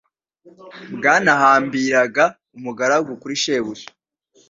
Bwanahambiraga umugaragu kuri shebuja,